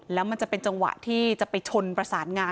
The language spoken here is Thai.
แล้วมันจะเป็นจังหวะที่จะไปชนประสานงาน